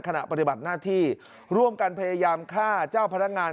ขณะปฏิบัติหน้าที่ร่วมกันพยายามฆ่าเจ้าพนักงาน